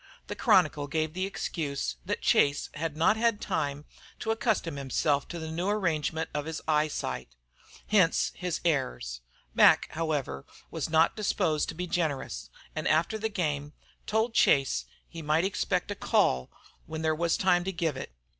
The Chronicle gave the excuse that Chase had not had time to accustom himself to the new arrangement of his eyesight, hence his errors. Mac, however, was not disposed to be generous, and after the game, told Chase he might expect a "call" when there was time to give it.